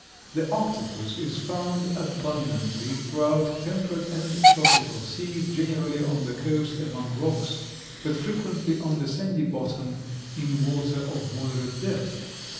The Octopus is found abundantly throughout temperate and tropical seas, generally on the coast among rocks, but frequently on the sandy bottom in water of moderate depth.